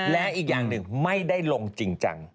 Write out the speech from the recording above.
และอีกอย่างหนึ่งไม่ได้ลงจริงจัง